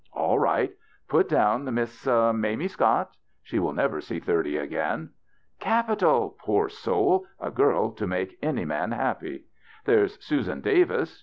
"All right. Put down Miss Mamie Scott. She will never see thirty again." " Capital. Poor soul 1 A girl to make any man ha^^py." There's Susan Davis."